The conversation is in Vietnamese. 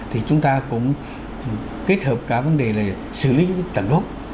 thì chúng ta cũng kết hợp cả vấn đề là xử lý cái tẩn bốt